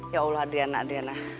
ya allah adriana adriana